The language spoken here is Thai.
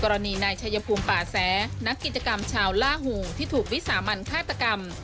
กรณีนายชัยภูมิป่าแสนักกิจกรรมชาวล่าหูที่ถูกวิสามันฆาตกรรม